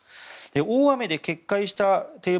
大雨で決壊した堤防